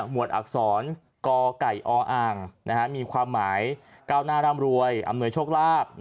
หมวดอักษรกกออมีความหมายเก้าหน้าร่ำรวยอำนวยชกลาบ